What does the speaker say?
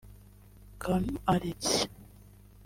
Kaami Arts